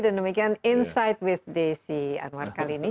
dan demikian insight with desi anwar kali ini